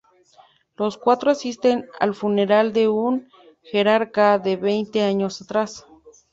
Los cuatro asisten al funeral de un jerarca de veinte años atrás.